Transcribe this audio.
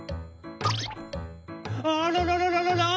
「あらららららら！？